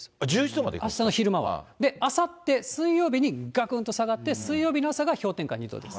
あさって水曜日にがくんと下がって、水曜日の朝が氷点下２度です。